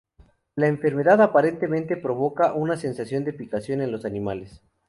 La enfermedad aparentemente provoca una sensación de picazón en los animales.